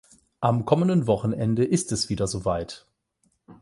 Am kommenden Wochenende ist es wieder soweit.